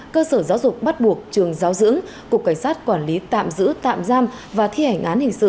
cơ sở giáo dục bắt buộc trường giáo dưỡng cục cảnh sát quản lý tạm giữ tạm giam và thi hành án hình sự